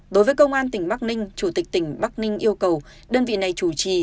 đối với công an tỉnh bắc ninh chủ tịch tỉnh bắc ninh yêu cầu đơn vị này chủ trì